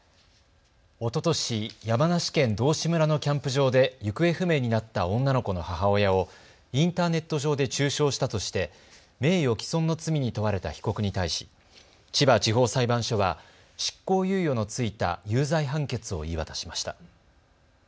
おととし山梨県道志村のキャンプ場で行方不明になった女の子の母親をインターネット上で中傷したとして名誉毀損の罪に問われた被告に対し千葉地方裁判所は執行猶予の付いた有罪判決を言い渡しました。